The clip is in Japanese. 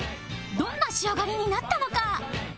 どんな仕上がりになったのか？